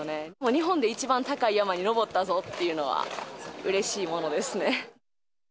日本で一番高い山に登ったぞっていうのは、うれしいものですね。